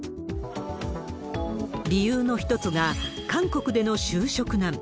理由の一つが、韓国での就職難。